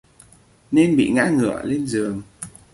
Nên bị ngã ngửa lên giường